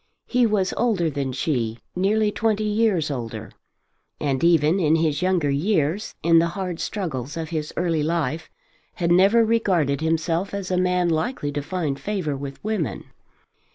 He was older than she, nearly twenty years older, and even in his younger years, in the hard struggles of his early life, had never regarded himself as a man likely to find favour with women.